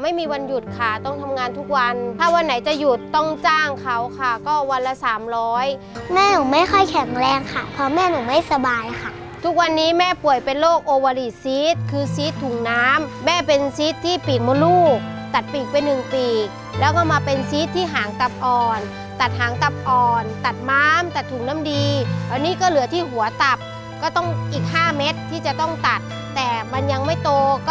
แม่หนูไม่ค่อยแข็งแรงค่ะเพราะแม่หนูไม่สบายค่ะทุกวันนี้แม่ป่วยเป็นโรคโอวาลีซีสต์คือซีสต์ถุงน้ำแม่เป็นซีสต์ที่ปีกมาลูกตัดปีกไปหนึ่งปีกแล้วก็มาเป็นซีสต์ที่หางตับอ่อนตัดหางตับอ่อนตัดม้ามตัดถุงน้ำดีอันนี้ก็เหลือที่หัวตับก็ต้องอีกห้าเม็ดที่จะต้องตัดแต่มันยังไม่โตก